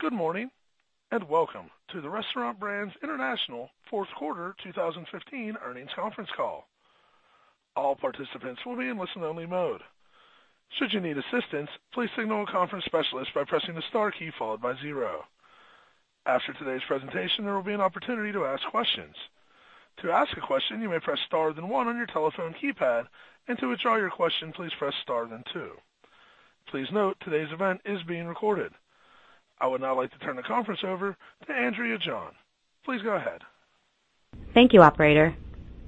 Good morning. Welcome to the Restaurant Brands International fourth quarter 2015 earnings conference call. All participants will be in listen only mode. Should you need assistance, please signal a conference specialist by pressing the star key followed by zero. After today's presentation, there will be an opportunity to ask questions. To ask a question, you may press star then one on your telephone keypad, and to withdraw your question, please press star then two. Please note, today's event is being recorded. I would now like to turn the conference over to Kendall Peck. Please go ahead. Thank you, operator.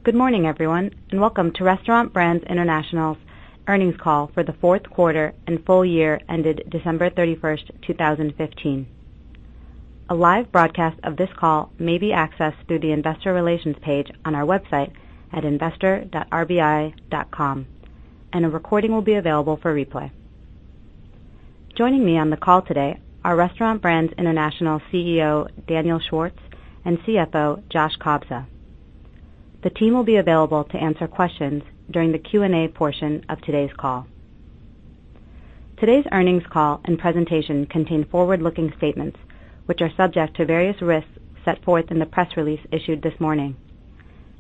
Good morning, everyone. Welcome to Restaurant Brands International's earnings call for the fourth quarter and full year ended December 31st, 2015. A live broadcast of this call may be accessed through the investor relations page on our website at investor.rbi.com, and a recording will be available for replay. Joining me on the call today are Restaurant Brands International CEO Daniel Schwartz and CFO Joshua Kobza. The team will be available to answer questions during the Q&A portion of today's call. Today's earnings call and presentation contain forward-looking statements which are subject to various risks set forth in the press release issued this morning.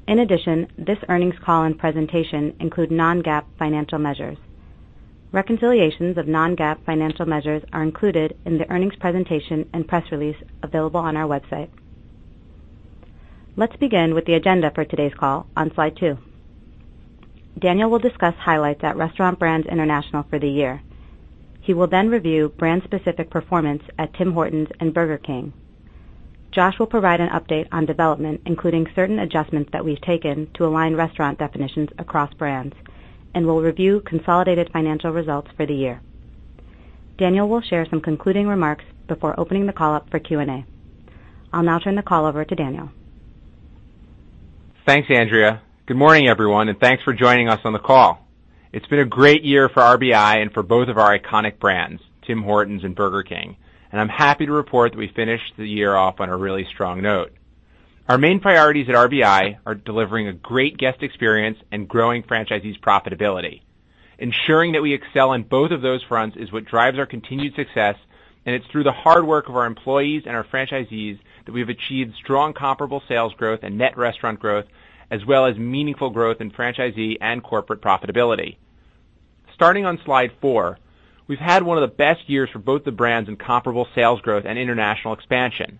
In addition, this earnings call and presentation include non-GAAP financial measures. Reconciliations of non-GAAP financial measures are included in the earnings presentation and press release available on our website. Let's begin with the agenda for today's call on slide two. Daniel will discuss highlights at Restaurant Brands International for the year. He will then review brand-specific performance at Tim Hortons and Burger King. Josh will provide an update on development, including certain adjustments that we've taken to align restaurant definitions across brands and will review consolidated financial results for the year. Daniel will share some concluding remarks before opening the call up for Q&A. I'll now turn the call over to Daniel. Thanks, Kendall. Good morning, everyone. Thanks for joining us on the call. It's been a great year for RBI and for both of our iconic brands, Tim Hortons and Burger King, and I'm happy to report that we finished the year off on a really strong note. Our main priorities at RBI are delivering a great guest experience and growing franchisees' profitability. Ensuring that we excel on both of those fronts is what drives our continued success, and it's through the hard work of our employees and our franchisees that we have achieved strong comparable sales growth and net restaurant growth, as well as meaningful growth in franchisee and corporate profitability. Starting on slide four, we've had one of the best years for both the brands in comparable sales growth and international expansion.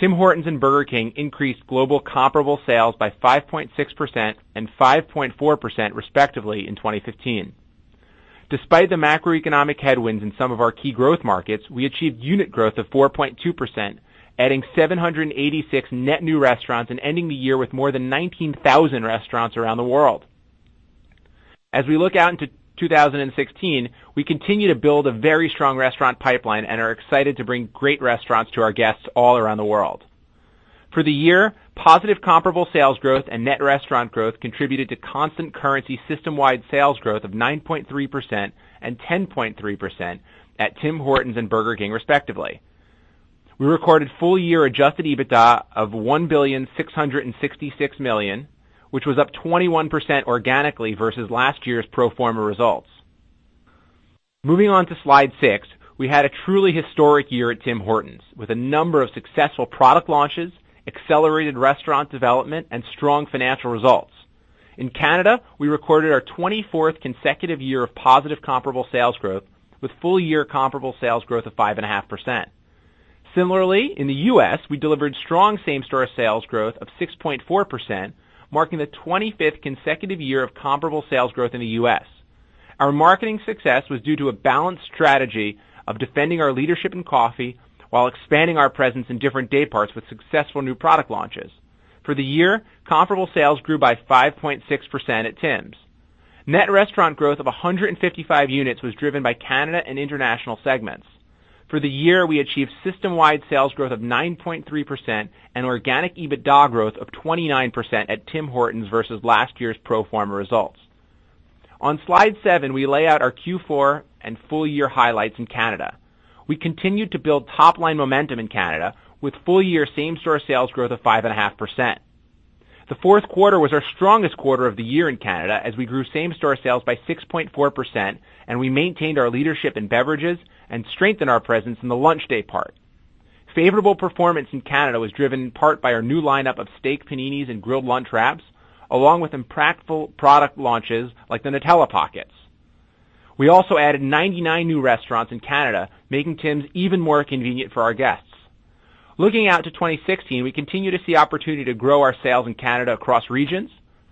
Tim Hortons and Burger King increased global comparable sales by 5.6% and 5.4% respectively in 2015. Despite the macroeconomic headwinds in some of our key growth markets, we achieved unit growth of 4.2%, adding 786 net new restaurants and ending the year with more than 19,000 restaurants around the world. As we look out into 2016, we continue to build a very strong restaurant pipeline and are excited to bring great restaurants to our guests all around the world. For the year, positive comparable sales growth and net restaurant growth contributed to constant currency system-wide sales growth of 9.3% and 10.3% at Tim Hortons and Burger King, respectively. We recorded full-year adjusted EBITDA of $1,666,000,000, which was up 21% organically versus last year's pro forma results. Moving on to slide six, we had a truly historic year at Tim Hortons, with a number of successful product launches, accelerated restaurant development, and strong financial results. In Canada, we recorded our 24th consecutive year of positive comparable sales growth with full-year comparable sales growth of 5.5%. Similarly, in the U.S., we delivered strong same-store sales growth of 6.4%, marking the 25th consecutive year of comparable sales growth in the U.S. Our marketing success was due to a balanced strategy of defending our leadership in coffee while expanding our presence in different day parts with successful new product launches. For the year, comparable sales grew by 5.6% at Tims. Net restaurant growth of 155 units was driven by Canada and international segments. For the year, we achieved system-wide sales growth of 9.3% and organic EBITDA growth of 29% at Tim Hortons versus last year's pro forma results. On slide seven, we lay out our Q4 and full-year highlights in Canada. We continued to build top-line momentum in Canada with full-year same-store sales growth of 5.5%. The fourth quarter was our strongest quarter of the year in Canada as we grew same-store sales by 6.4%, and we maintained our leadership in beverages and strengthened our presence in the lunch day part. Favorable performance in Canada was driven in part by our new lineup of steak paninis and grilled lunch wraps, along with impactful product launches like the Nutella Pockets. We also added 99 new restaurants in Canada, making Tims even more convenient for our guests. Looking out to 2016, we continue to see opportunity to grow our sales in Canada across regions,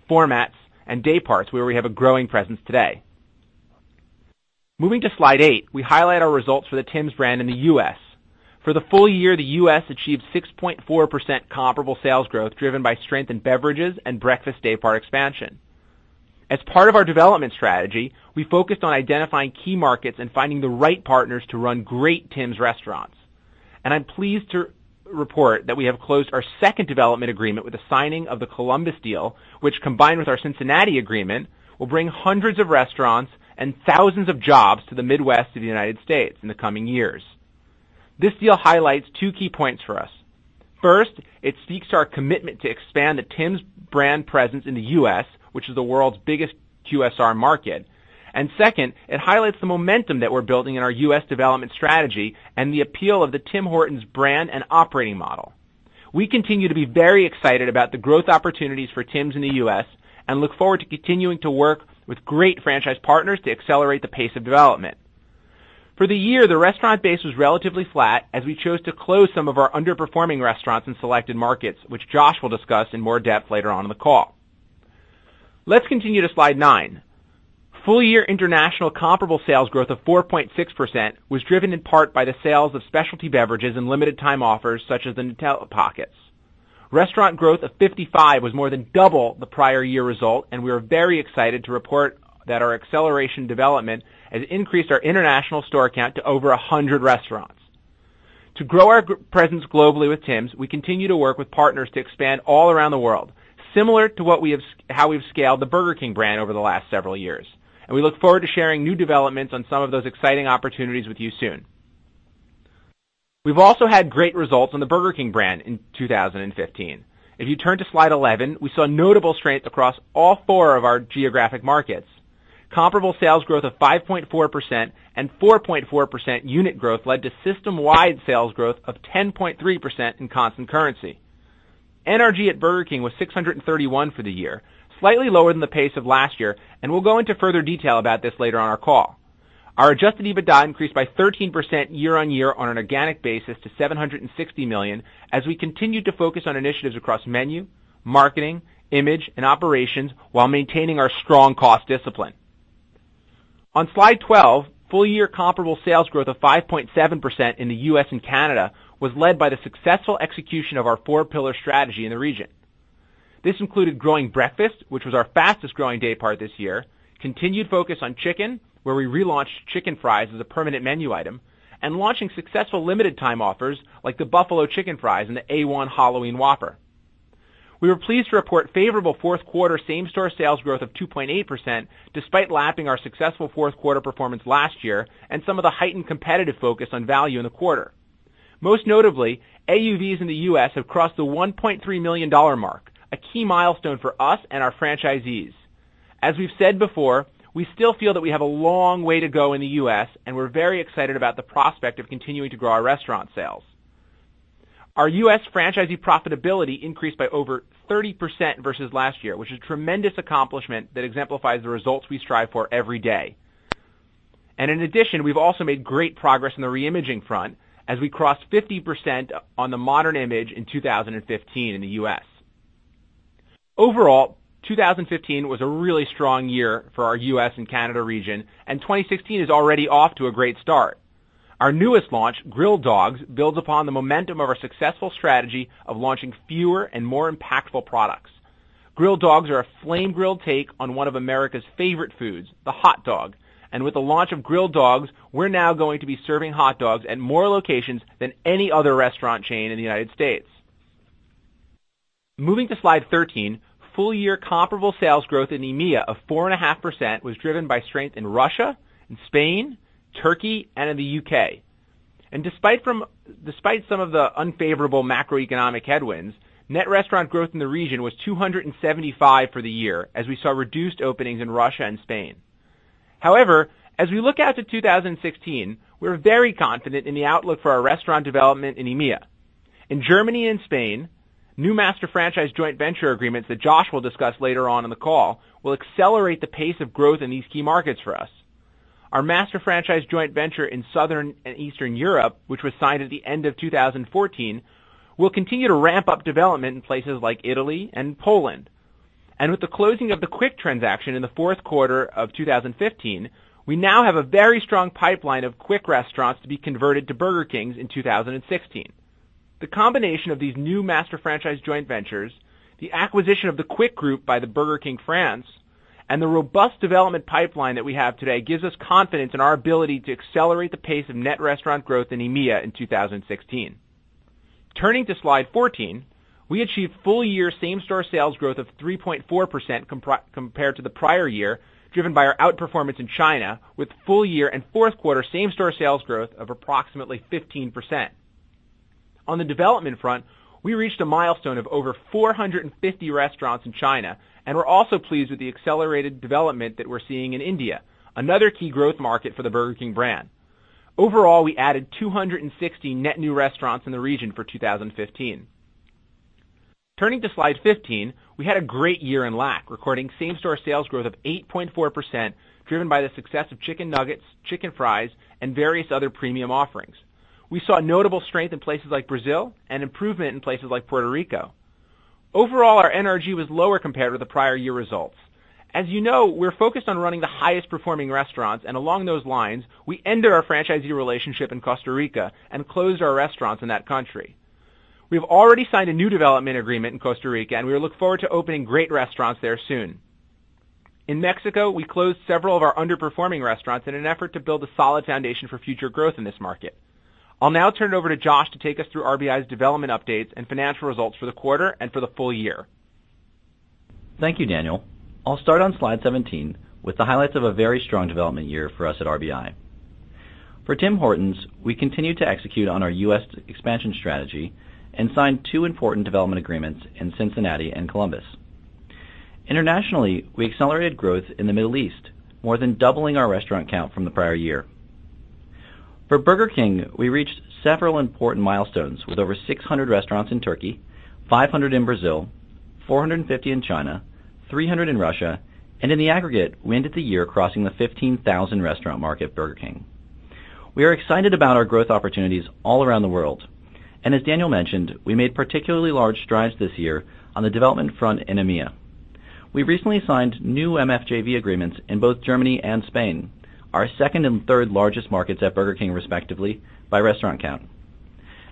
formats, and day parts where we have a growing presence today. Moving to slide eight, we highlight our results for the Tims brand in the U.S. For the full year, the U.S. achieved 6.4% comparable sales growth, driven by strength in beverages and breakfast day-part expansion. As part of our development strategy, we focused on identifying key markets and finding the right partners to run great Tims restaurants. I'm pleased to report that we have closed our second development agreement with the signing of the Columbus deal, which, combined with our Cincinnati agreement, will bring hundreds of restaurants and thousands of jobs to the Midwest of the United States in the coming years. This deal highlights two key points for us. First, it speaks to our commitment to expand the Tim's brand presence in the U.S., which is the world's biggest QSR market. Second, it highlights the momentum that we're building in our U.S. development strategy and the appeal of the Tim Horton's brand and operating model. We continue to be very excited about the growth opportunities for Tim's in the U.S. and look forward to continuing to work with great franchise partners to accelerate the pace of development. For the year, the restaurant base was relatively flat as we chose to close some of our underperforming restaurants in selected markets, which Josh will discuss in more depth later on in the call. Let's continue to slide nine. Full year international comparable sales growth of 4.6% was driven in part by the sales of specialty beverages and limited time offers such as the Nutella Pockets. Restaurant growth of 55 was more than double the prior year result, and we are very excited to report that our acceleration development has increased our international store count to over 100 restaurants. To grow our presence globally with Tim's, we continue to work with partners to expand all around the world, similar to how we've scaled the Burger King brand over the last several years, we look forward to sharing new developments on some of those exciting opportunities with you soon. We've also had great results on the Burger King brand in 2015. If you turn to slide 11, we saw notable strength across all four of our geographic markets. Comparable sales growth of 5.4% and 4.4% unit growth led to system-wide sales growth of 10.3% in constant currency. NRG at Burger King was 631 for the year, slightly lower than the pace of last year, we'll go into further detail about this later on our call. Our adjusted EBITDA increased by 13% year-on-year on an organic basis to $760 million, as we continued to focus on initiatives across menu, marketing, image, and operations while maintaining our strong cost discipline. On slide 12, full year comparable sales growth of 5.7% in the U.S. and Canada was led by the successful execution of our four pillar strategy in the region. This included growing breakfast, which was our fastest growing day part this year, continued focus on chicken, where we relaunched Chicken Fries as a permanent menu item, launching successful limited time offers like the Buffalo Chicken Fries and the A.1. Halloween Whopper. We were pleased to report favorable fourth quarter same store sales growth of 2.8% despite lapping our successful fourth quarter performance last year and some of the heightened competitive focus on value in the quarter. Most notably, AUVs in the U.S. have crossed the $1.3 million mark, a key milestone for us and our franchisees. As we've said before, we still feel that we have a long way to go in the U.S., we're very excited about the prospect of continuing to grow our restaurant sales. Our U.S. franchisee profitability increased by over 30% versus last year, which is a tremendous accomplishment that exemplifies the results we strive for every day. In addition, we've also made great progress in the re-imaging front as we crossed 50% on the modern image in 2015 in the U.S. Overall, 2015 was a really strong year for our U.S. and Canada region, 2016 is already off to a great start. Our newest launch, Grilled Dogs, builds upon the momentum of our successful strategy of launching fewer and more impactful products. Grilled Dogs are a flame-grilled take on one of America's favorite foods, the hot dog, and with the launch of Grilled Dogs, we're now going to be serving hot dogs at more locations than any other restaurant chain in the United States. Moving to slide 13, full year comparable sales growth in EMEA of 4.5% was driven by strength in Russia, in Spain, Turkey, and in the U.K. Despite some of the unfavorable macroeconomic headwinds, net restaurant growth in the region was 275 for the year, as we saw reduced openings in Russia and Spain. However, as we look out to 2016, we're very confident in the outlook for our restaurant development in EMEA. In Germany and Spain, new master franchise joint venture agreements that Josh will discuss later on in the call will accelerate the pace of growth in these key markets for us. Our master franchise joint venture in Southern and Eastern Europe, which was signed at the end of 2014, will continue to ramp up development in places like Italy and Poland. With the closing of the Quick transaction in the fourth quarter of 2015, we now have a very strong pipeline of Quick restaurants to be converted to Burger Kings in 2016. The combination of these new master franchise joint ventures, the acquisition of the Quick group by the Burger King France, and the robust development pipeline that we have today gives us confidence in our ability to accelerate the pace of net restaurant growth in EMEA in 2016. Turning to slide 14, we achieved full year same store sales growth of 3.4% compared to the prior year, driven by our outperformance in China with full year and fourth quarter same store sales growth of approximately 15%. On the development front, we reached a milestone of over 450 restaurants in China and we're also pleased with the accelerated development that we're seeing in India, another key growth market for the Burger King brand. Overall, we added 260 net new restaurants in the region for 2015. Turning to slide 15, we had a great year in LAC, recording same store sales growth of 8.4% driven by the success of Chicken Nuggets, Chicken Fries, and various other premium offerings. We saw notable strength in places like Brazil and improvement in places like Puerto Rico. Overall, our NRG was lower compared with the prior year results. As you know, we're focused on running the highest performing restaurants, and along those lines, we ended our franchisee relationship in Costa Rica and closed our restaurants in that country. We have already signed a new development agreement in Costa Rica, and we look forward to opening great restaurants there soon. In Mexico, we closed several of our underperforming restaurants in an effort to build a solid foundation for future growth in this market. I'll now turn it over to Josh to take us through RBI's development updates and financial results for the quarter and for the full year. Thank you, Daniel. I'll start on slide 17 with the highlights of a very strong development year for us at RBI. For Tim Hortons, we continued to execute on our U.S. expansion strategy and signed two important development agreements in Cincinnati and Columbus. Internationally, we accelerated growth in the Middle East, more than doubling our restaurant count from the prior year. For Burger King, we reached several important milestones with over 600 restaurants in Turkey, 500 in Brazil, 450 in China, 300 in Russia, and in the aggregate, we ended the year crossing the 15,000 restaurant mark at Burger King. We are excited about our growth opportunities all around the world. As Daniel mentioned, we made particularly large strides this year on the development front in EMEA. We recently signed new MFJV agreements in both Germany and Spain, our second and third largest markets at Burger King, respectively, by restaurant count.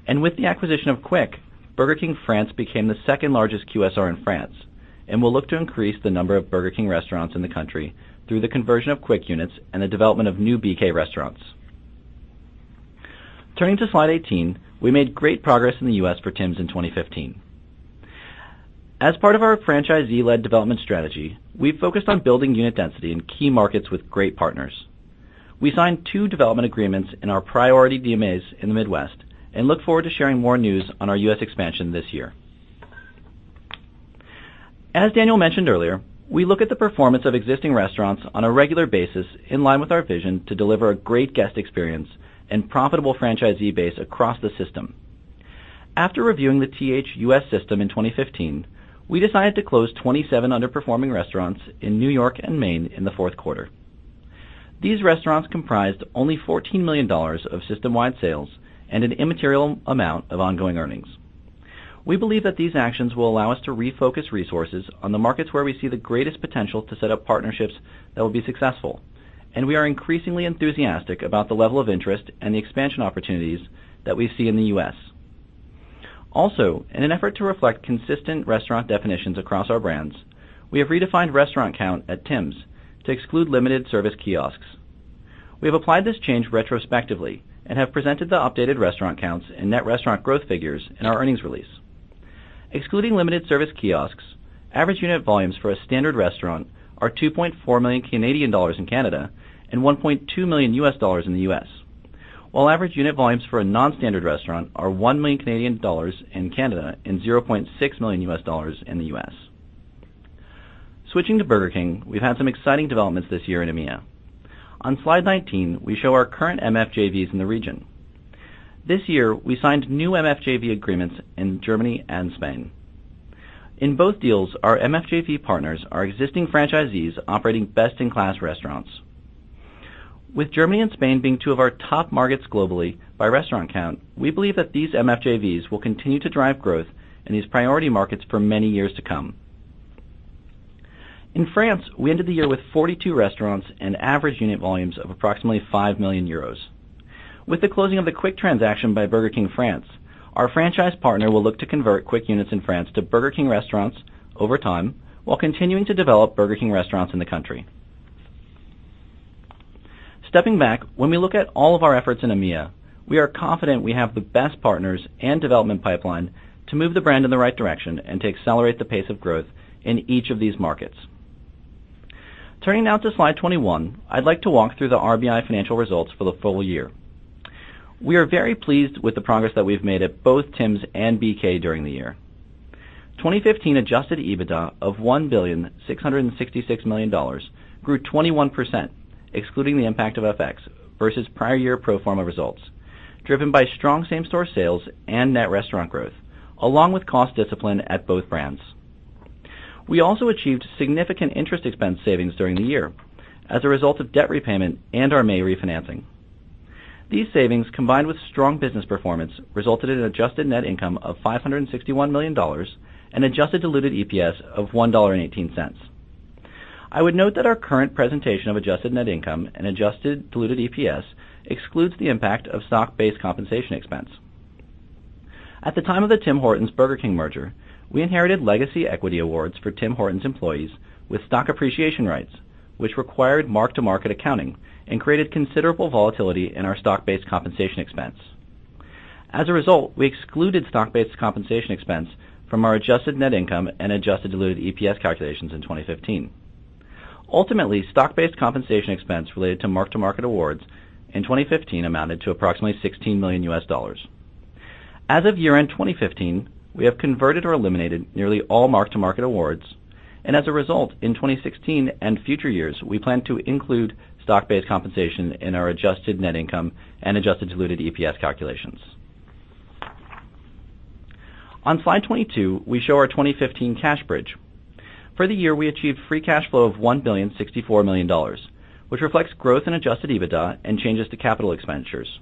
With the acquisition of Quick, Burger King France became the second-largest QSR in France, and will look to increase the number of Burger King restaurants in the country through the conversion of Quick units and the development of new BK restaurants. Turning to slide 18, we made great progress in the U.S. for Tims in 2015. As part of our franchisee-led development strategy, we focused on building unit density in key markets with great partners. We signed two development agreements in our priority DMAs in the Midwest and look forward to sharing more news on our U.S. expansion this year. As Daniel mentioned earlier, we look at the performance of existing restaurants on a regular basis in line with our vision to deliver a great guest experience and profitable franchisee base across the system. After reviewing the TH U.S. system in 2015, we decided to close 27 underperforming restaurants in New York and Maine in the fourth quarter. These restaurants comprised only $14 million of system-wide sales and an immaterial amount of ongoing earnings. We believe that these actions will allow us to refocus resources on the markets where we see the greatest potential to set up partnerships that will be successful, and we are increasingly enthusiastic about the level of interest and the expansion opportunities that we see in the U.S. Also, in an effort to reflect consistent restaurant definitions across our brands, we have redefined restaurant count at Tims to exclude limited service kiosks. We have applied this change retrospectively and have presented the updated restaurant counts and net restaurant growth figures in our earnings release. Excluding limited service kiosks, average unit volumes for a standard restaurant are CA$2.4 million in Canada and $1.2 million in the U.S. While average unit volumes for a non-standard restaurant are CA$1 million in Canada and $0.6 million in the U.S. Switching to Burger King, we've had some exciting developments this year in EMEA. On slide 19, we show our current MFJVs in the region. This year, we signed new MFJV agreements in Germany and Spain. In both deals, our MFJV partners are existing franchisees operating best-in-class restaurants. With Germany and Spain being two of our top markets globally by restaurant count, we believe that these MFJVs will continue to drive growth in these priority markets for many years to come. In France, we ended the year with 42 restaurants and average unit volumes of approximately €5 million. With the closing of the Quick transaction by Burger King France, our franchise partner will look to convert Quick units in France to Burger King restaurants over time while continuing to develop Burger King restaurants in the country. Stepping back, when we look at all of our efforts in EMEA, we are confident we have the best partners and development pipeline to move the brand in the right direction and to accelerate the pace of growth in each of these markets. Turning now to slide 21, I'd like to walk through the RBI financial results for the full year. We are very pleased with the progress that we've made at both Tims and BK during the year. 2015 adjusted EBITDA of $1.666 billion grew 21%, excluding the impact of FX versus prior year pro forma results, driven by strong same-store sales and net restaurant growth, along with cost discipline at both brands. We also achieved significant interest expense savings during the year as a result of debt repayment and our May refinancing. These savings, combined with strong business performance, resulted in an adjusted net income of $561 million and adjusted diluted EPS of $1.18. I would note that our current presentation of adjusted net income and adjusted diluted EPS excludes the impact of stock-based compensation expense. At the time of the Tim Hortons Burger King merger, we inherited legacy equity awards for Tim Hortons employees with stock appreciation rights, which required mark-to-market accounting and created considerable volatility in our stock-based compensation expense. As a result, we excluded stock-based compensation expense from our adjusted net income and adjusted diluted EPS calculations in 2015. Ultimately, stock-based compensation expense related to mark-to-market awards in 2015 amounted to approximately US$16 million. As of year-end 2015, we have converted or eliminated nearly all mark-to-market awards, and as a result, in 2016 and future years, we plan to include stock-based compensation in our adjusted net income and adjusted diluted EPS calculations. On slide 22, we show our 2015 cash bridge. For the year, we achieved free cash flow of $1.064 billion, which reflects growth in adjusted EBITDA and changes to capital expenditures.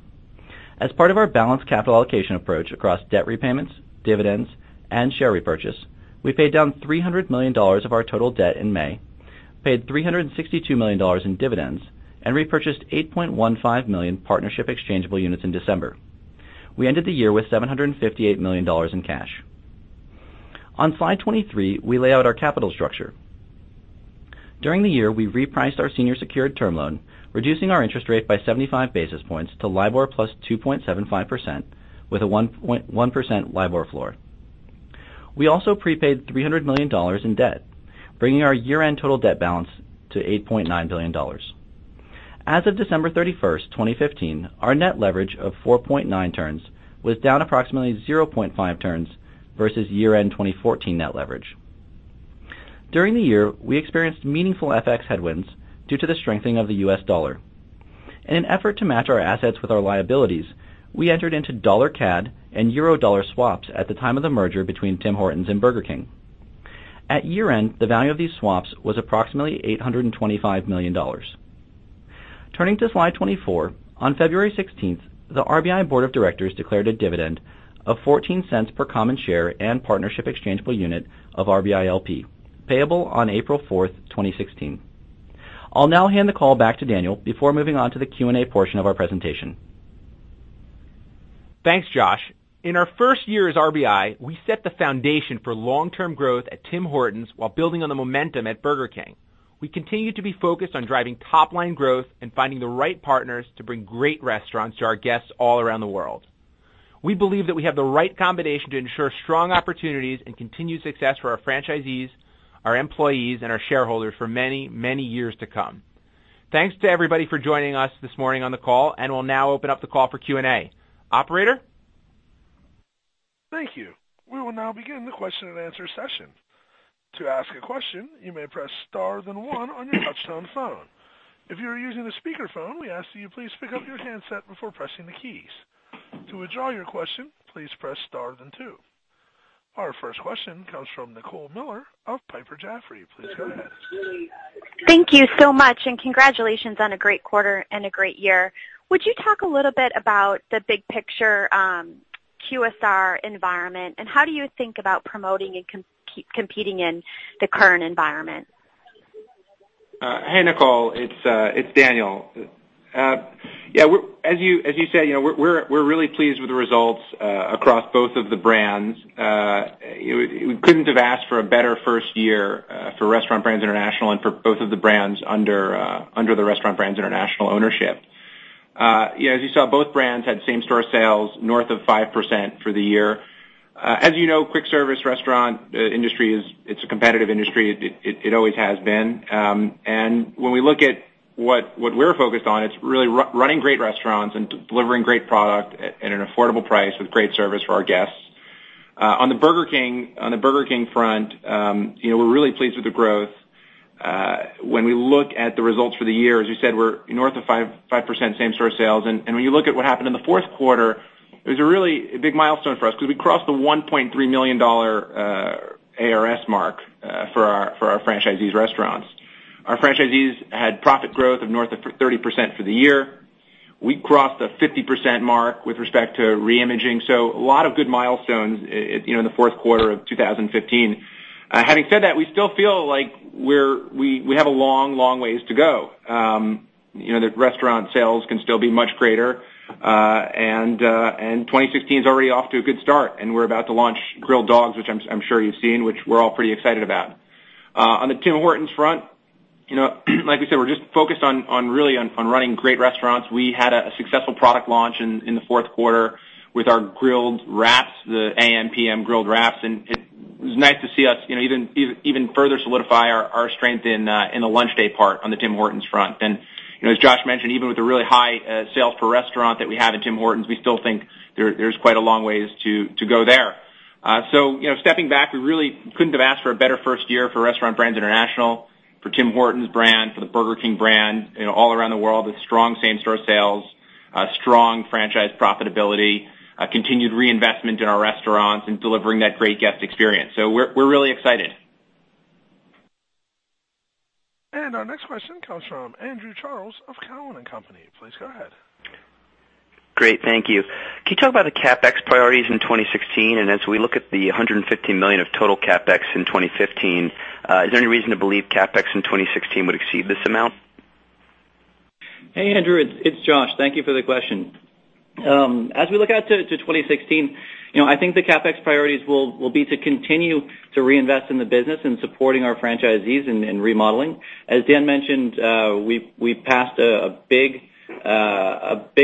As part of our balanced capital allocation approach across debt repayments, dividends, and share repurchase, we paid down $300 million of our total debt in May, paid $362 million in dividends, and repurchased 8.15 million partnership exchangeable units in December. We ended the year with $758 million in cash. On slide 23, we lay out our capital structure. During the year, we repriced our senior secured term loan, reducing our interest rate by 75 basis points to LIBOR plus 2.75% with a 1.1% LIBOR floor. We also prepaid $300 million in debt, bringing our year-end total debt balance to $8.9 billion. As of December 31st, 2015, our net leverage of 4.9 turns was down approximately 0.5 turns versus year-end 2014 net leverage. During the year, we experienced meaningful FX headwinds due to the strengthening of the U.S. dollar. In an effort to match our assets with our liabilities, we entered into dollar-cad and euro-dollar swaps at the time of the merger between Tim Hortons and Burger King. At year-end, the value of these swaps was approximately $825 million. Turning to slide 24, on February 16th, the RBI board of directors declared a dividend of $0.14 per common share and partnership exchangeable unit of RBILP, payable on April 4th, 2016. I'll now hand the call back to Daniel before moving on to the Q&A portion of our presentation. Thanks, Josh. In our first year as RBI, we set the foundation for long-term growth at Tim Hortons while building on the momentum at Burger King. We continue to be focused on driving top-line growth and finding the right partners to bring great restaurants to our guests all around the world. We believe that we have the right combination to ensure strong opportunities and continued success for our franchisees, our employees, and our shareholders for many years to come. Thanks to everybody for joining us this morning on the call. We'll now open up the call for Q&A. Operator? Thank you. We will now begin the question and answer session. To ask a question, you may press star then one on your touchtone phone. If you are using the speakerphone, we ask that you please pick up your handset before pressing the keys. To withdraw your question, please press star then two. Our first question comes from Nicole Miller of Piper Jaffray. Please go ahead. Thank you so much. Congratulations on a great quarter and a great year. Would you talk a little bit about the big picture QSR environment? How do you think about promoting and competing in the current environment? Hey, Nicole. It's Daniel. As you said, we're really pleased with the results across both of the brands. We couldn't have asked for a better first year for Restaurant Brands International and for both of the brands under the Restaurant Brands International ownership. As you saw, both brands had same-store sales north of 5% for the year. As you know, quick service restaurant industry is a competitive industry. It always has been. When we look at what we're focused on, it's really running great restaurants and delivering great product at an affordable price with great service for our guests. On the Burger King front, we're really pleased with the growth. When we look at the results for the year, as you said, we're north of 5% same-store sales, and when you look at what happened in the fourth quarter, it was a really big milestone for us because we crossed the $1.3 million AUVs mark for our franchisees' restaurants. Our franchisees had profit growth of north of 30% for the year. We crossed the 50% mark with respect to re-imaging. A lot of good milestones in the fourth quarter of 2015. Having said that, we still feel like we have a long ways to go. The restaurant sales can still be much greater, 2016 is already off to a good start, and we're about to launch Grilled Dogs, which I'm sure you've seen, which we're all pretty excited about. On the Tim Hortons front, like we said, we're just focused on really running great restaurants. We had a successful product launch in the fourth quarter with our A.M. P.M. grilled wraps, and it was nice to see us even further solidify our strength in the lunch day part on the Tim Hortons front. As Josh mentioned, even with the really high sales per restaurant that we have at Tim Hortons, we still think there's quite a long ways to go there. Stepping back, we really couldn't have asked for a better first year for Restaurant Brands International, for Tim Hortons brand, for the Burger King brand all around the world with strong same-store sales, strong franchise profitability, continued reinvestment in our restaurants, and delivering that great guest experience. We're really excited. Our next question comes from Andrew Charles of Cowen and Company. Please go ahead. Great. Thank you. Can you talk about the CapEx priorities in 2016? As we look at the $150 million of total CapEx in 2015, is there any reason to believe CapEx in 2016 would exceed this amount? Hey, Andrew. It's Josh. Thank you for the question. As we look out to 2016, I think the CapEx priorities will be to continue to reinvest in the business in supporting our franchisees in remodeling. As Dan mentioned, we passed a big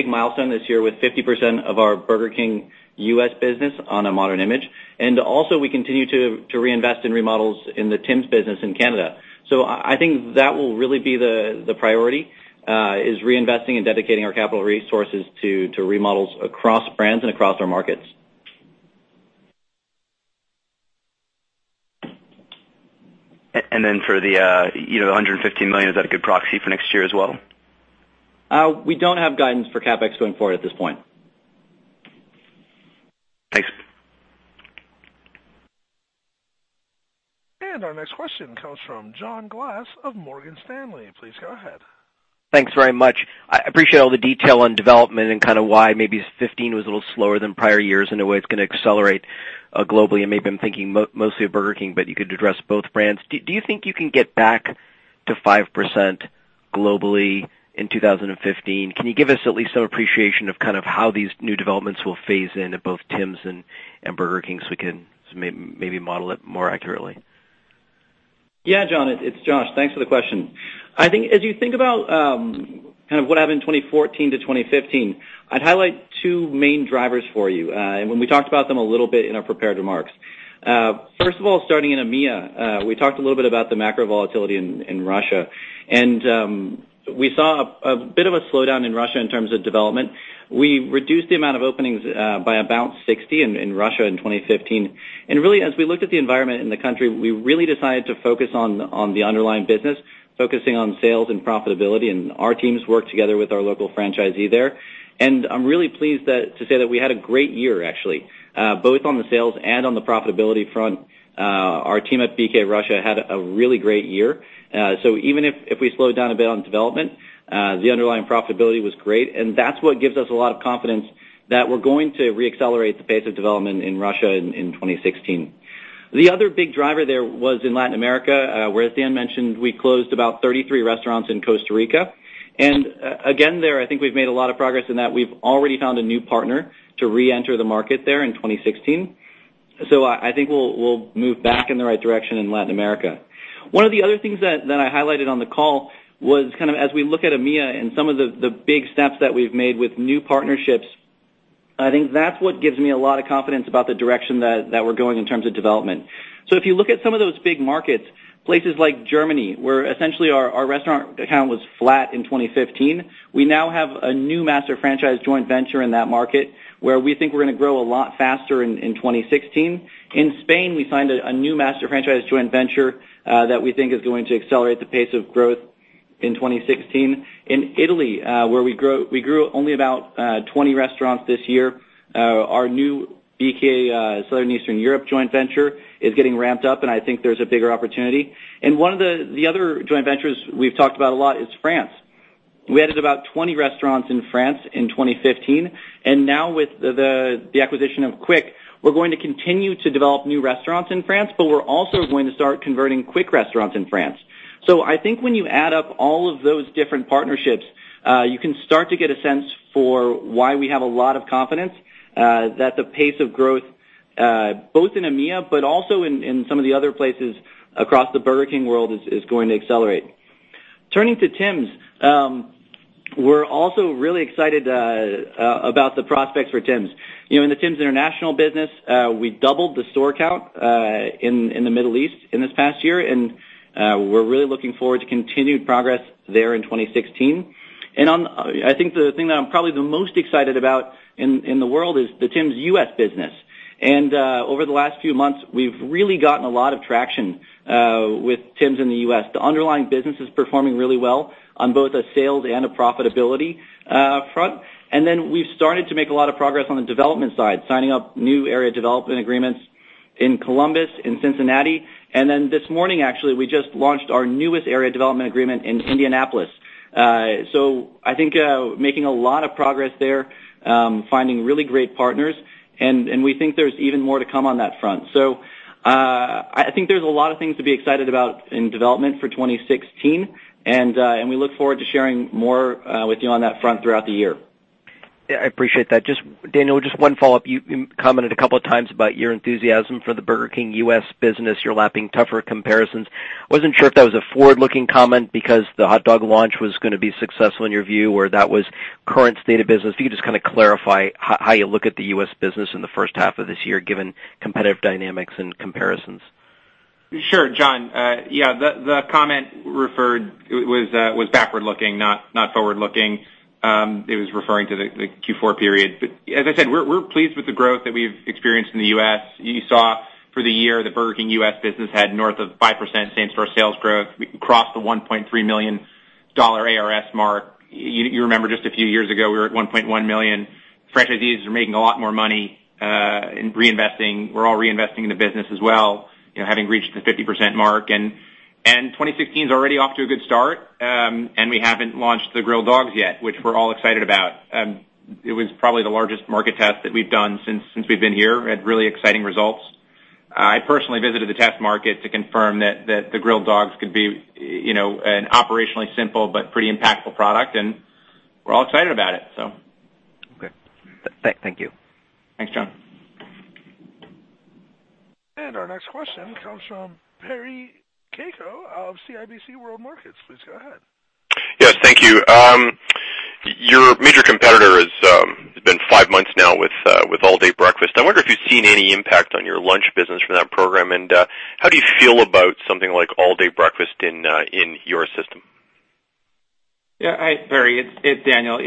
milestone this year with 50% of our Burger King U.S. business on a modern image. We continue to reinvest in remodels in the Tims business in Canada. I think that will really be the priority, is reinvesting and dedicating our capital resources to remodels across brands and across our markets. For the $150 million, is that a good proxy for next year as well? We don't have guidance for CapEx going forward at this point. Thanks. Our next question comes from John Glass of Morgan Stanley. Please go ahead. Thanks very much. I appreciate all the detail on development and why maybe 2015 was a little slower than prior years and the way it's going to accelerate globally, and maybe I'm thinking mostly of Burger King, but you could address both brands. Do you think you can get back to 5% globally in 2016? Can you give us at least some appreciation of how these new developments will phase in at both Tims and Burger King so we can maybe model it more accurately? John, it's Josh. Thanks for the question. I think as you think about what happened 2014 to 2015, I'd highlight two main drivers for you, when we talked about them a little bit in our prepared remarks. First of all, starting in EMEA, we talked a little bit about the macro volatility in Russia, and we saw a bit of a slowdown in Russia in terms of development. We reduced the amount of openings by about 60 in Russia in 2015. Really, as we looked at the environment in the country, we really decided to focus on the underlying business, focusing on sales and profitability, and our teams worked together with our local franchisee there. I'm really pleased to say that we had a great year, actually, both on the sales and on the profitability front. Our team at BK Russia had a really great year. Even if we slowed down a bit on development, the underlying profitability was great, and that's what gives us a lot of confidence that we're going to re-accelerate the pace of development in Russia in 2016. The other big driver there was in Latin America, where as Dan mentioned, we closed about 33 restaurants in Costa Rica. Again, there, I think we've made a lot of progress in that we've already found a new partner to reenter the market there in 2016. I think we'll move back in the right direction in Latin America. One of the other things that I highlighted on the call was as we look at EMEA and some of the big steps that we've made with new partnerships, I think that's what gives me a lot of confidence about the direction that we're going in terms of development. If you look at some of those big markets, places like Germany, where essentially our restaurant count was flat in 2015, we now have a new master franchise joint venture in that market where we think we're going to grow a lot faster in 2016. In Spain, we signed a new master franchise joint venture that we think is going to accelerate the pace of growth in 2016. In Italy, where we grew only about 20 restaurants this year, our new BK Southern Eastern Europe joint venture is getting ramped up, and I think there's a bigger opportunity. One of the other joint ventures we've talked about a lot is France. We added about 20 restaurants in France in 2015, and now with the acquisition of Quick, we're going to continue to develop new restaurants in France, but we're also going to start converting Quick restaurants in France. I think when you add up all of those different partnerships, you can start to get a sense for why we have a lot of confidence that the pace of growth, both in EMEA but also in some of the other places across the Burger King world, is going to accelerate. Turning to Tims, we're also really excited about the prospects for Tims. In the Tims international business, we doubled the store count in the Middle East in this past year, and we're really looking forward to continued progress there in 2016. I think the thing that I'm probably the most excited about in the world is the Tims U.S. business. Over the last few months, we've really gotten a lot of traction with Tims in the U.S. The underlying business is performing really well on both a sales and a profitability front. We've started to make a lot of progress on the development side, signing up new area development agreements in Columbus, in Cincinnati. This morning, actually, we just launched our newest area development agreement in Indianapolis. I think making a lot of progress there, finding really great partners, and we think there's even more to come on that front. I think there's a lot of things to be excited about in development for 2016, and we look forward to sharing more with you on that front throughout the year. Yeah, I appreciate that. Daniel, just one follow-up. You commented a couple of times about your enthusiasm for the Burger King U.S. business, you're lapping tougher comparisons. Wasn't sure if that was a forward-looking comment because the hot dog launch was going to be successful in your view, or that was current state of business. If you could just clarify how you look at the U.S. business in the first half of this year, given competitive dynamics and comparisons. Sure, John. The comment referred was backward-looking, not forward-looking. It was referring to the Q4 period. As I said, we're pleased with the growth that we've experienced in the U.S. You saw for the year, the Burger King U.S. business had north of 5% same-store sales growth. We crossed the $1.3 million AUVs mark. You remember just a few years ago, we were at $1.1 million. Franchisees are making a lot more money in reinvesting. We're all reinvesting in the business as well, having reached the 50% mark. 2016 is already off to a good start, and we haven't launched the Grilled Dogs yet, which we're all excited about. It was probably the largest market test that we've done since we've been here. We had really exciting results. I personally visited the test market to confirm that the Grilled Dogs could be an operationally simple but pretty impactful product. We're all excited about it. Okay. Thank you. Thanks, John. Our next question comes from Perry Caicco of CIBC World Markets. Please go ahead. Yes, thank you. Your major competitor has been five months now with all-day breakfast. I wonder if you've seen any impact on your lunch business from that program, and how do you feel about something like all-day breakfast in your system? Yeah. Hi, Perry, it's Daniel.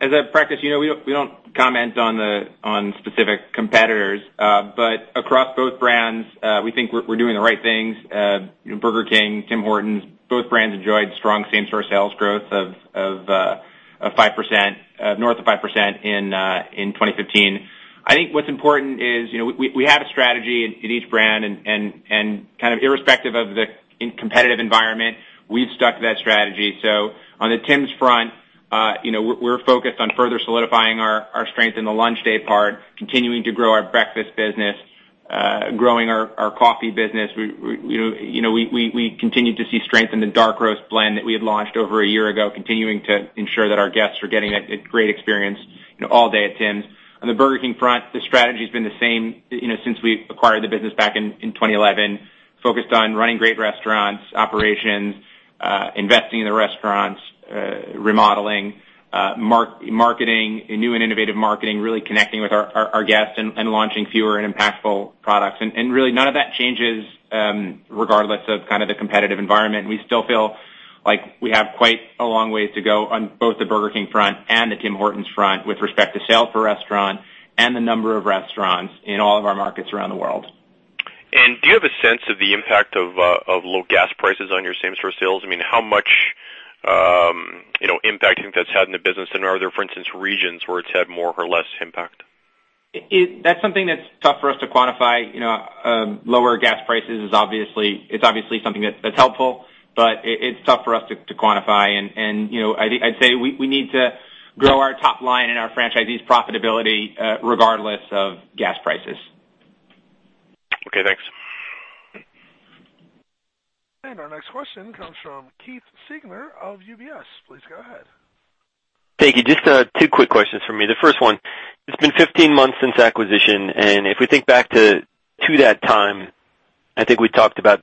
As a practice, we don't comment on specific competitors, but across both brands, we think we're doing the right things. Burger King, Tim Hortons, both brands enjoyed strong same-store sales growth of north of 5% in 2015. I think what's important is we have a strategy at each brand, and irrespective of the competitive environment, we've stuck to that strategy. On the Tims front, we're focused on further solidifying our strength in the lunch day part, continuing to grow our breakfast business Growing our coffee business, we continue to see strength in the Dark Roast blend that we had launched over a year ago, continuing to ensure that our guests are getting a great experience all day at Tim's. On the Burger King front, the strategy's been the same since we acquired the business back in 2011, focused on running great restaurants, operations, investing in the restaurants, remodeling, new and innovative marketing, really connecting with our guests and launching fewer and impactful products. Really none of that changes regardless of kind of the competitive environment. We still feel like we have quite a long ways to go on both the Burger King front and the Tim Hortons front with respect to sale per restaurant and the number of restaurants in all of our markets around the world. Do you have a sense of the impact of low gas prices on your same store sales? How much impact do you think that's had in the business, and are there, for instance, regions where it's had more or less impact? That's something that's tough for us to quantify. Lower gas prices is obviously something that's helpful, but it's tough for us to quantify. I'd say we need to grow our top line and our franchisees' profitability regardless of gas prices. Okay, thanks. Our next question comes from Keith Siegner of UBS. Please go ahead. Thank you. Just two quick questions from me. The first one, it's been 15 months since acquisition. If we think back to that time, I think we talked about,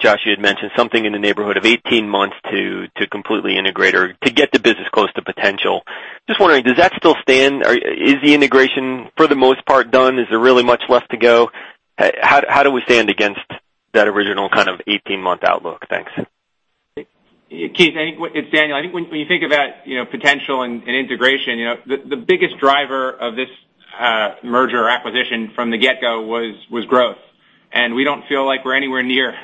Josh, you had mentioned something in the neighborhood of 18 months to completely integrate or to get the business close to potential. Just wondering, does that still stand? Is the integration for the most part done? Is there really much left to go? How do we stand against that original kind of 18-month outlook? Thanks. Keith, it's Daniel. I think when you think about potential and integration, the biggest driver of this merger acquisition from the get-go was growth. We don't feel like we're anywhere near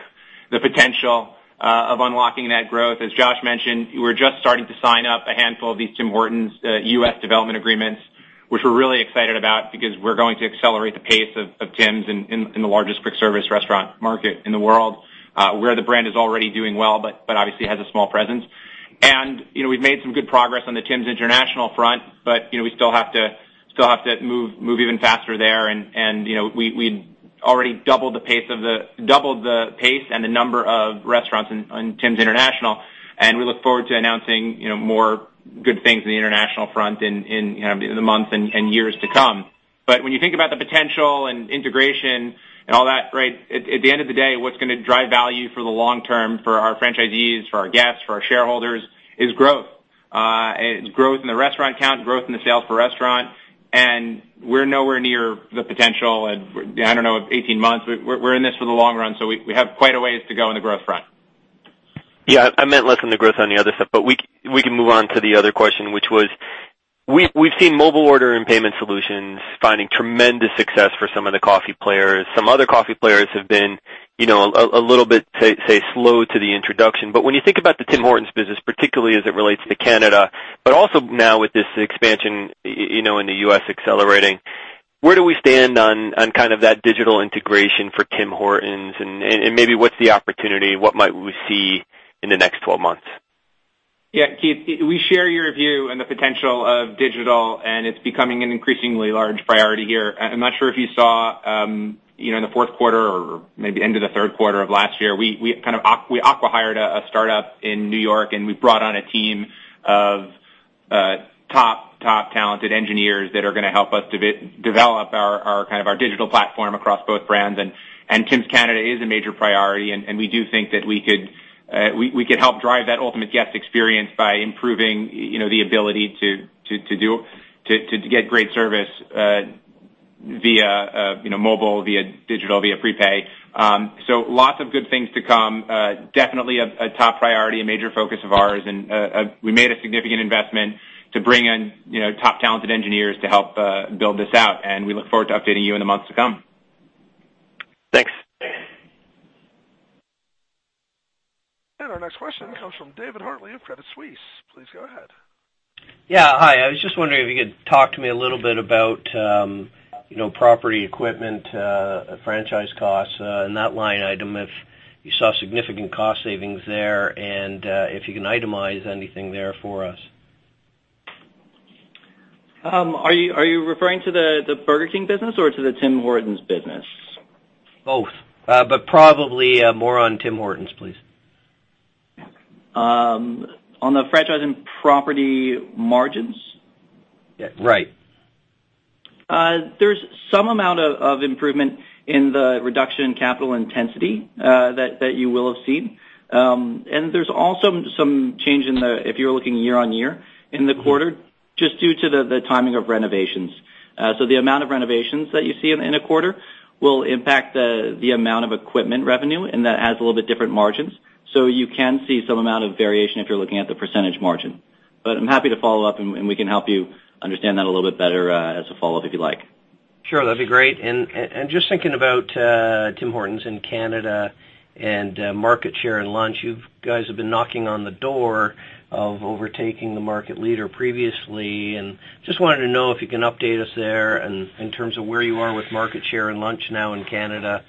the potential of unlocking that growth. As Josh mentioned, we're just starting to sign up a handful of these Tim Hortons U.S. development agreements, which we're really excited about because we're going to accelerate the pace of Tim's in the largest quick service restaurant market in the world, where the brand is already doing well but obviously has a small presence. We've made some good progress on the Tim's International front, but we still have to move even faster there. We already doubled the pace and the number of restaurants on Tim's International. We look forward to announcing more good things in the international front in the months and years to come. When you think about the potential and integration and all that, at the end of the day, what's going to drive value for the long term for our franchisees, for our guests, for our shareholders, is growth. It's growth in the restaurant count, growth in the sales per restaurant. We're nowhere near the potential at, I don't know, of 18 months. We're in this for the long run. We have quite a ways to go on the growth front. Yeah, I meant less on the growth on the other stuff. We can move on to the other question, which was, we've seen mobile order and payment solutions finding tremendous success for some of the coffee players. Some other coffee players have been a little bit, say, slow to the introduction. When you think about the Tim Hortons business, particularly as it relates to Canada, but also now with this expansion in the U.S. accelerating, where do we stand on kind of that digital integration for Tim Hortons? Maybe what's the opportunity? What might we see in the next 12 months? Keith, we share your view on the potential of digital. It's becoming an increasingly large priority here. I'm not sure if you saw in the fourth quarter or maybe end of the third quarter of last year, we acqui-hired a startup in New York. We brought on a team of top talented engineers that are going to help us develop our digital platform across both brands. Tim's Canada is a major priority, and we do think that we could help drive that ultimate guest experience by improving the ability to get great service via mobile, via digital, via prepay. Lots of good things to come. Definitely a top priority, a major focus of ours. We made a significant investment to bring in top talented engineers to help build this out, and we look forward to updating you in the months to come. Thanks. Our next question comes from David Hartley of Credit Suisse. Please go ahead. Hi. I was just wondering if you could talk to me a little bit about property equipment franchise costs and that line item, if you saw significant cost savings there and if you can itemize anything there for us. Are you referring to the Burger King business or to the Tim Hortons business? Both, but probably more on Tim Hortons, please. On the franchising property margins? Right. There's some amount of improvement in the reduction in capital intensity that you will have seen. There's also some change in the, if you're looking year-over-year in the quarter, just due to the timing of renovations. The amount of renovations that you see in a quarter will impact the amount of equipment revenue, and that has a little bit different margins. You can see some amount of variation if you're looking at the percentage margin. I'm happy to follow up, and we can help you understand that a little bit better as a follow-up, if you like. Sure, that'd be great. Just thinking about Tim Hortons in Canada and market share and lunch, you guys have been knocking on the door of overtaking the market leader previously, and just wanted to know if you can update us there in terms of where you are with market share and lunch now in Canada,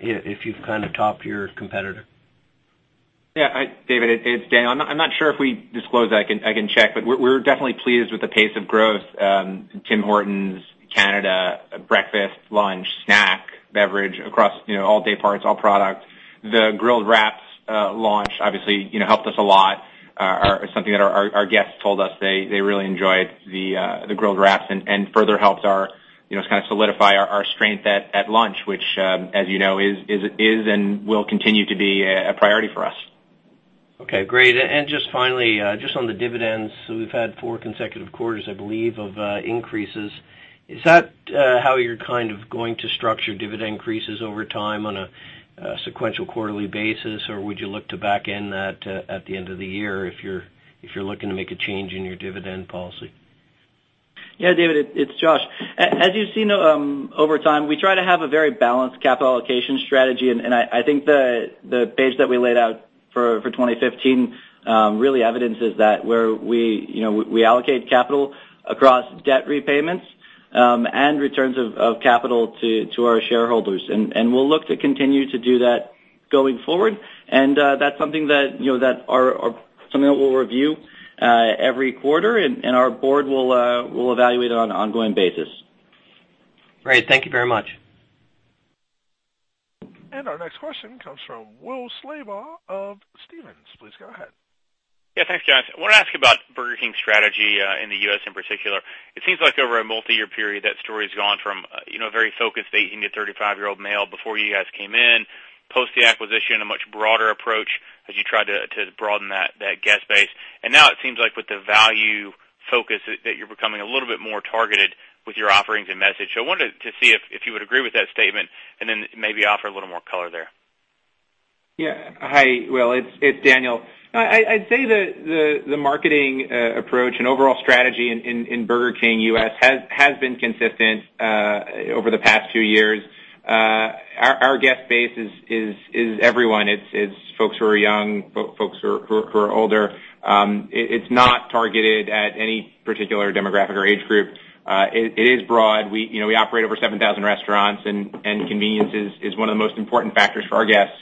if you've kind of topped your competitor. Yeah, David, it's Daniel. I'm not sure if we disclosed that. I can check, but we're definitely pleased with the pace of growth. Tim Hortons Canada breakfast, lunch, snack, beverage across all day parts, all products. The grilled wraps launch obviously helped us a lot, are something that our guests told us they really enjoyed the grilled wraps and further helped us solidify our strength at lunch, which as you know, is and will continue to be a priority for us. Okay, great. Just finally, just on the dividends, we've had four consecutive quarters, I believe, of increases. Is that how you're going to structure dividend increases over time on a sequential quarterly basis, or would you look to back in that at the end of the year if you're looking to make a change in your dividend policy? Yeah, David, it's Josh. As you've seen over time, we try to have a very balanced capital allocation strategy. I think the base that we laid out for 2015 really evidences that where we allocate capital across debt repayments and returns of capital to our shareholders, we'll look to continue to do that going forward. That's something that we'll review every quarter, and our board will evaluate it on an ongoing basis. Great. Thank you very much. Our next question comes from Will Slabaugh of Stephens. Please go ahead. Yeah. Thanks, guys. I want to ask about Burger King's strategy in the U.S. in particular. It seems like over a multi-year period, that story's gone from a very focused 18 to 35-year-old male before you guys came in, post the acquisition, a much broader approach as you tried to broaden that guest base. Now it seems like with the value focus that you're becoming a little bit more targeted with your offerings and message. I wanted to see if you would agree with that statement and then maybe offer a little more color there. Yeah. Hi, Will. It's Daniel. I'd say the marketing approach and overall strategy in Burger King U.S. has been consistent over the past two years. Our guest base is everyone. It's folks who are young, folks who are older. It's not targeted at any particular demographic or age group. It is broad. We operate over 7,000 restaurants, and convenience is one of the most important factors for our guests.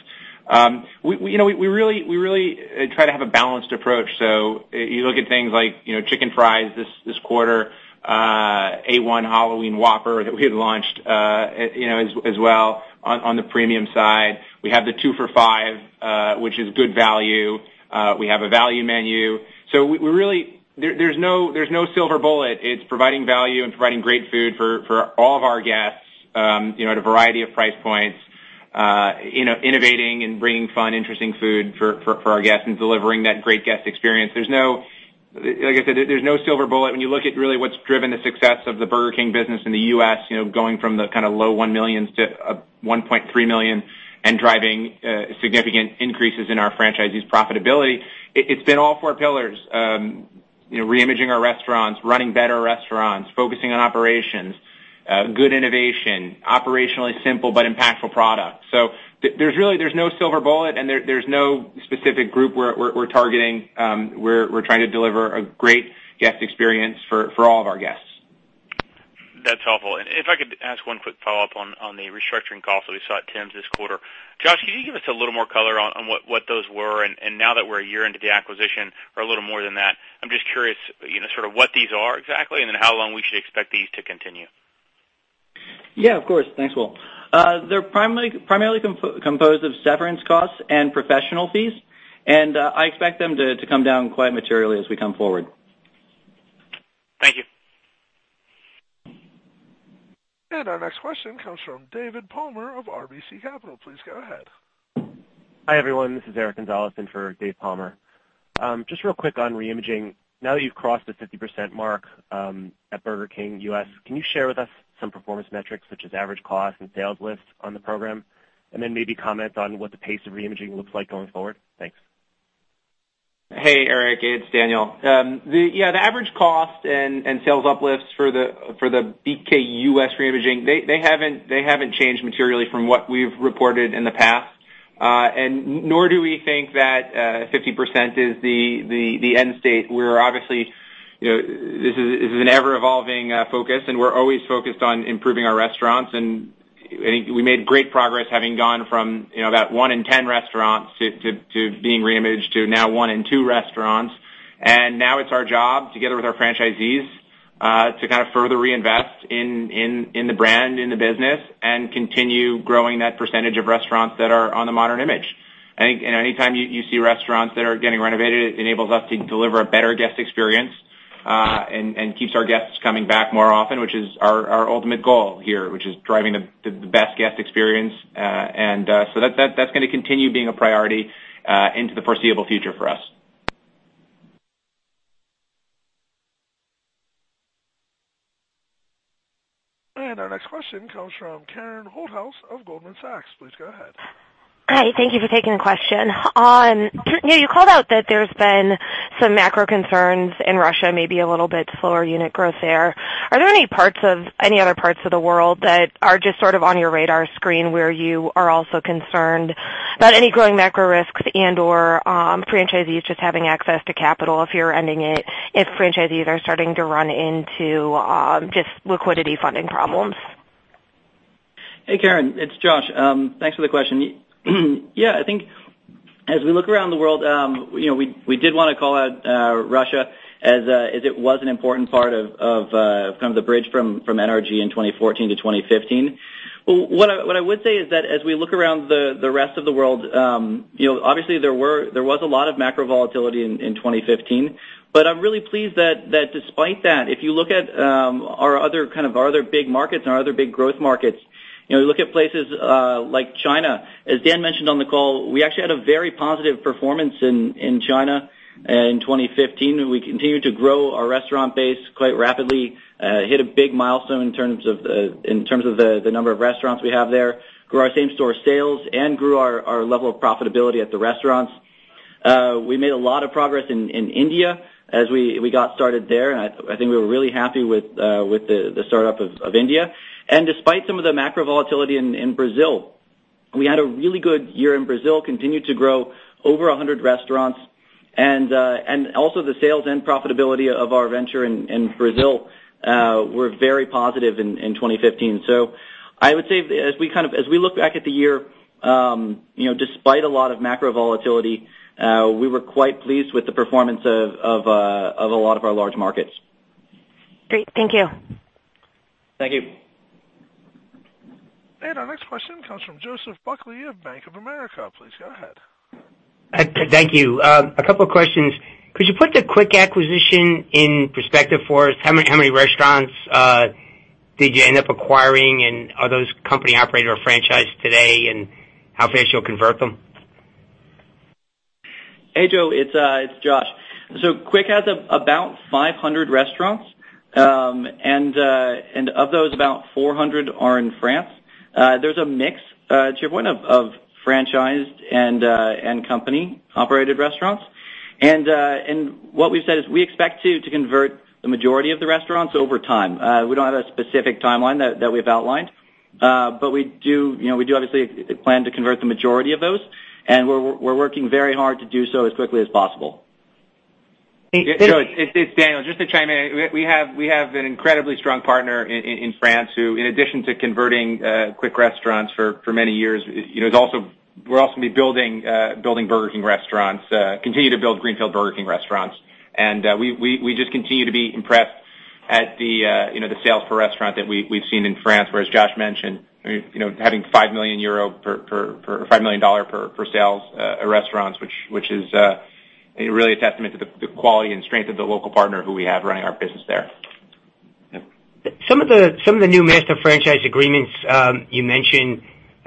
We really try to have a balanced approach. You look at things like Chicken Fries this quarter, A.1. Halloween Whopper that we had launched as well on the premium side. We have the two for five, which is good value. We have a value menu. There's no silver bullet. It's providing value and providing great food for all of our guests at a variety of price points, innovating and bringing fun, interesting food for our guests and delivering that great guest experience. Like I said, there's no silver bullet. When you look at really what's driven the success of the Burger King business in the U.S., going from the low $1 millions to a $1.3 million and driving significant increases in our franchisees' profitability, it's been all four pillars. Reimaging our restaurants, running better restaurants, focusing on operations, good innovation, operationally simple but impactful products. There's no silver bullet, and there's no specific group we're targeting. We're trying to deliver a great guest experience for all of our guests. That's helpful. If I could ask one quick follow-up on the restructuring costs that we saw at Tim's this quarter. Josh, can you give us a little more color on what those were? Now that we're a year into the acquisition or a little more than that, I'm just curious what these are exactly and then how long we should expect these to continue. Yeah, of course. Thanks, Will. They're primarily composed of severance costs and professional fees, and I expect them to come down quite materially as we come forward. Thank you. Our next question comes from David Palmer of RBC Capital. Please go ahead. Hi, everyone. This is Eric Gonzalez in for David Palmer. Just real quick on reimaging. Now that you've crossed the 50% mark at Burger King U.S., can you share with us some performance metrics such as average cost and sales lifts on the program? Maybe comment on what the pace of reimaging looks like going forward. Thanks. Hey, Eric. It's Daniel. Yeah, the average cost and sales uplifts for the Burger King U.S. reimaging, they haven't changed materially from what we've reported in the past, nor do we think that 50% is the end state. This is an ever-evolving focus, and we're always focused on improving our restaurants, and we made great progress having gone from that one in 10 restaurants to being reimaged to now one in two restaurants. Now it's our job, together with our franchisees, to further reinvest in the brand, in the business, and continue growing that percentage of restaurants that are on the modern image. I think anytime you see restaurants that are getting renovated, it enables us to deliver a better guest experience and keeps our guests coming back more often, which is our ultimate goal here, which is driving the best guest experience. That's going to continue being a priority into the foreseeable future for us. Our next question comes from Karen Holthouse of Goldman Sachs. Please go ahead. Hi. Thank you for taking the question. You called out that there's been some macro concerns in Russia, maybe a little bit slower unit growth there. Are there any other parts of the world that are just sort of on your radar screen where you are also concerned about any growing macro risks and/or franchisees just having access to capital if you're ending it, if franchisees are starting to run into just liquidity funding problems? Hey, Karen, it's Josh. Thanks for the question. Yeah, I think as we look around the world, we did want to call out Russia as it was an important part of the bridge from NRG in 2014 to 2015. What I would say is that as we look around the rest of the world, obviously, there was a lot of macro volatility in 2015. I'm really pleased that despite that, if you look at our other big markets and our other big growth markets, you look at places like China, as Dan mentioned on the call, we actually had a very positive performance in China in 2015. We continued to grow our restaurant base quite rapidly, hit a big milestone in terms of the number of restaurants we have there, grew our same store sales, and grew our level of profitability at the restaurants. We made a lot of progress in India as we got started there, and I think we were really happy with the startup of India. Despite some of the macro volatility in Brazil, we had a really good year in Brazil, continued to grow over 100 restaurants. Also the sales and profitability of our venture in Brazil were very positive in 2015. I would say as we look back at the year, despite a lot of macro volatility, we were quite pleased with the performance of a lot of our large markets. Great. Thank you. Thank you. Our next question comes from Joseph Buckley of Bank of America. Please go ahead. Thank you. A couple of questions. Could you put the Quick acquisition in perspective for us? How many restaurants did you end up acquiring, and are those company-operated or franchised today, and how fast you'll convert them? Hey, Joe, it's Josh. Quick has about 500 restaurants, and of those, about 400 are in France. There's a mix, to your point, of franchised and company-operated restaurants. What we've said is we expect to convert the majority of the restaurants over time. We don't have a specific timeline that we've outlined but we do obviously plan to convert the majority of those, and we're working very hard to do so as quickly as possible. Hey- Joe, it's Daniel. Just to chime in, we have an incredibly strong partner in France who, in addition to converting Quick restaurants for many years, we'll also be building Burger King restaurants, continue to build greenfield Burger King restaurants. We just continue to be impressed at the sales per restaurant that we've seen in France, where, as Josh mentioned, having 5 million euro per sales restaurants, which is really a testament to the quality and strength of the local partner who we have running our business there. Yeah. Some of the new master franchise agreements you mentioned,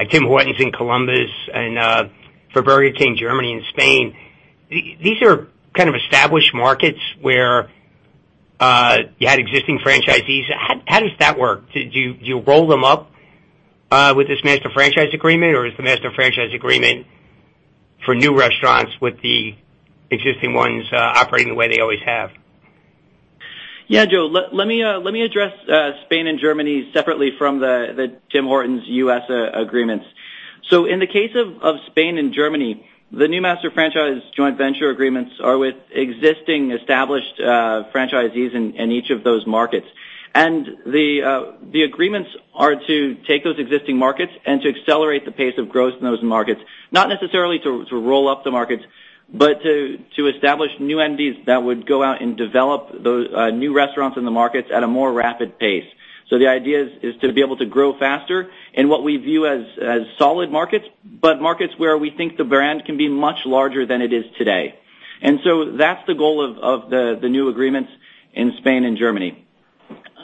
Tim Hortons in Columbus and for Burger King, Germany, and Spain, these are kind of established markets where you had existing franchisees. How does that work? Do you roll them up with this master franchise agreement, or is the master franchise agreement for new restaurants with the existing ones operating the way they always have? Yeah, Joe, let me address Spain and Germany separately from the Tim Hortons U.S. agreements. In the case of Spain and Germany, the new master franchise joint venture agreements are with existing established franchisees in each of those markets. The agreements are to take those existing markets and to accelerate the pace of growth in those markets, not necessarily to roll up the markets, but to establish new MDs that would go out and develop new restaurants in the markets at a more rapid pace. The idea is to be able to grow faster in what we view as solid markets, but markets where we think the brand can be much larger than it is today. That's the goal of the new agreements in Spain and Germany.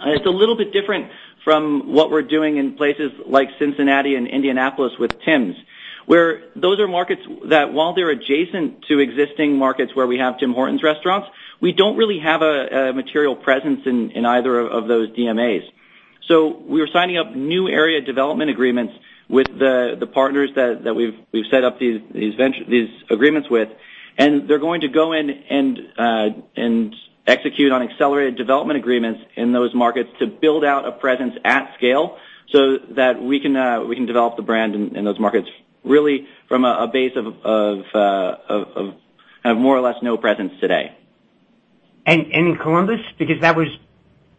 It's a little bit different from what we're doing in places like Cincinnati and Indianapolis with Tims, where those are markets that while they're adjacent to existing markets where we have Tim Hortons restaurants, we don't really have a material presence in either of those DMAs. We are signing up new area development agreements with the partners that we've set up these agreements with, and they're going to go in and execute on accelerated development agreements in those markets to build out a presence at scale so that we can develop the brand in those markets, really from a base of more or less no presence today. In Columbus, because that was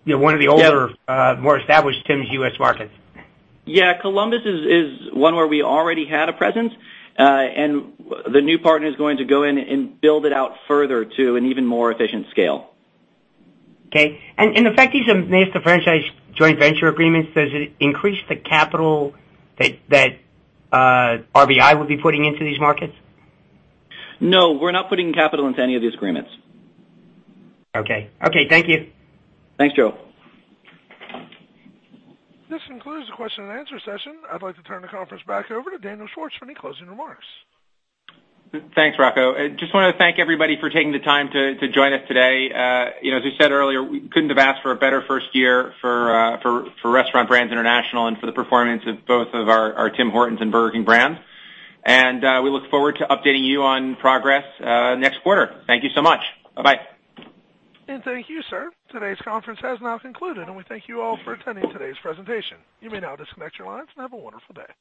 one of the. Yeah more established Tims U.S. markets. Yeah. Columbus is one where we already had a presence, and the new partner is going to go in and build it out further to an even more efficient scale. Okay. The fact these are master franchise joint venture agreements, does it increase the capital that RBI would be putting into these markets? No, we're not putting capital into any of these agreements. Okay. Thank you. Thanks, Joe. This concludes the question and answer session. I'd like to turn the conference back over to Daniel Schwartz for any closing remarks. Thanks, Rocco. Just want to thank everybody for taking the time to join us today. As we said earlier, we couldn't have asked for a better first year for Restaurant Brands International and for the performance of both of our Tim Hortons and Burger King brands. We look forward to updating you on progress next quarter. Thank you so much. Bye-bye. Thank you, sir. Today's conference has now concluded, we thank you all for attending today's presentation. You may now disconnect your lines and have a wonderful day.